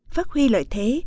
phát huy lợi thế